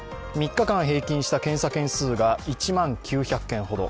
３日間平均した検査件数が１万９００件ほど。